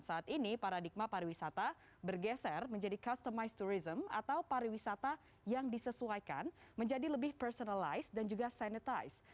saat ini paradigma pariwisata bergeser menjadi customize tourism atau pariwisata yang disesuaikan menjadi lebih personalize dan juga sanitize